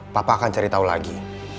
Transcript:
papa akan cari tahu lagi